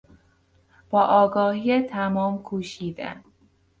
با آگاهی تمام کوشیدن